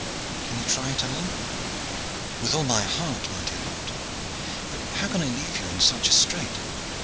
Can you try it, Alleyne?" "With all my heart, my dear lord, but how can I leave you in such a strait?"